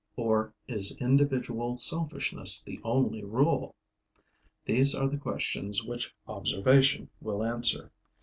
Or is individual selfishness the only rule? These are the questions which observation will answer.